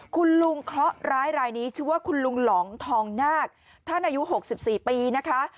คุณลุงเคราะหร้ายรายนี้ชื่อว่าคุณลุงหลองทองนาคท่านอายุ๖๔ปีนะคะ